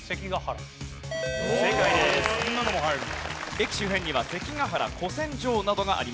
駅周辺には関ケ原古戦場などがあります。